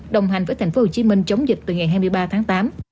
đồng hành với tp hcm chống dịch từ ngày hai mươi ba tháng tám